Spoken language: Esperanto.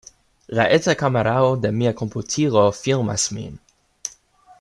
La eta kamerao de mia komputilo filmas min.